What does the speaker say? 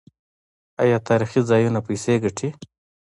آیا تاریخي ځایونه پیسې ګټي؟